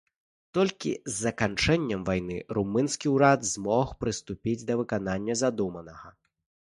Толькі з заканчэннем вайны румынскі ўрад змог прыступіць да выканання задуманага.